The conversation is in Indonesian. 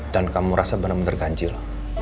dan kamu rasa bener bener ganjil